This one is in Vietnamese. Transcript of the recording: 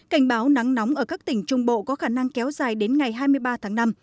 cảnh báo nắng nóng ở các tỉnh trung bộ có khả năng kéo dài đến ngày hai mươi ba tháng năm